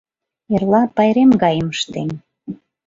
— Эрла пайрем гайым ыштем.